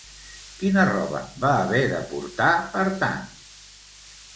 Quina roba va haver de portar, per tant?